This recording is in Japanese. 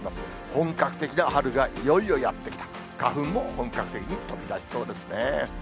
本格的な春がいよいよやって来た、花粉も本格的に飛び出しそうですね。